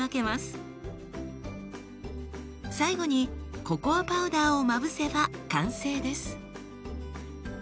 最後にココアパウダーをまぶせば完成です。